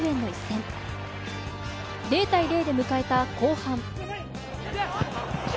０対０で迎えた後半。